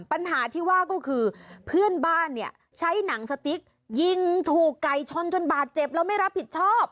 ปัญหาที่ว่าก็คือเพื่อนบ้านเนี่ยใช้หนังสติ๊กยิงถูกไก่ชนจนบาดเจ็บแล้วไม่รับผิดชอบ